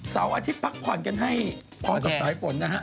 เสาร์อาทิตย์พักผ่อนกันให้พร้อมกับสายฝนนะฮะ